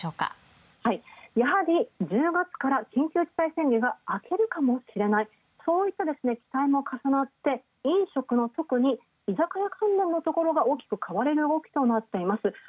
やはり、１０月から緊急事態宣言があけるかもしれない、そういった期待も重なって飲食の特に居酒屋関連の企業が大きく買われる動きとなっています。